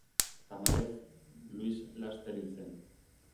Tamalez, Luis laster hil zen.